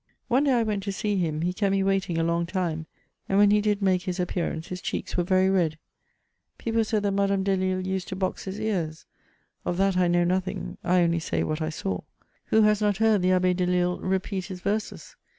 One day I went to see him, he kept me waiting a long time, and when he did make his appearance, his cheeks were very red : people said that Madame Dehlle used to box his ears : of that I know nothing ; I only say what I saw. Who has not heard the Abbe Delille repeat his verses?